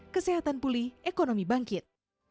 kesehatan pulih ekonomi bangkit